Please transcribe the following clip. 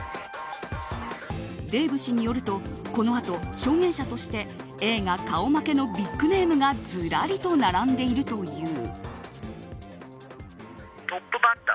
デーブ氏によるとこのあと証言者として映画顔負けのビッグネームがずらりと並んでいるという。